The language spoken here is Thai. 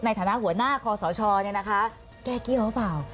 ในฐานะหัวหน้าคอสชแก้เกี้ยวหรือเปล่า